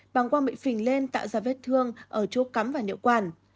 bằng quang bị phình lên tạo ra vết thương ở chỗ cắm và nợ quản